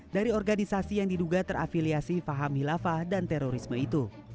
dari organisasi yang diduga terafiliasi faham hilafah dan terorisme itu